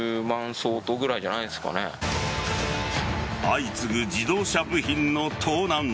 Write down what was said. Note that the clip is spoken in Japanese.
相次ぐ自動車部品の盗難。